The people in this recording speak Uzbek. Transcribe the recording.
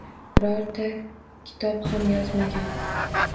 Birorta kitob ham yozmagan.